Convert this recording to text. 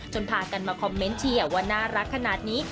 พากันมาคอมเมนต์เชียร์ว่าน่ารักขนาดนี้